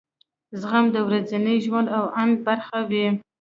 زغم د ورځني ژوند او اند برخه وي.